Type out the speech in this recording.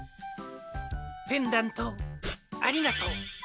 ペンダントありがとう。